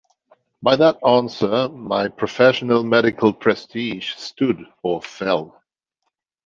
By that answer my professional medical prestige stood or fell.